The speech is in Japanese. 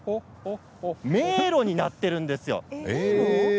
迷路になっているんですよ。